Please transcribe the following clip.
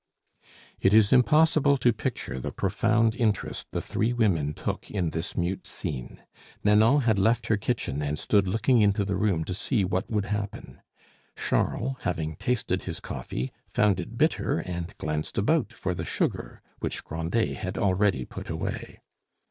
It is impossible to picture the profound interest the three women took in this mute scene. Nanon had left her kitchen and stood looking into the room to see what would happen. Charles, having tasted his coffee, found it bitter and glanced about for the sugar, which Grandet had already put away.